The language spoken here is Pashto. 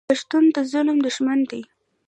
پښتون د ظالم دښمن دی.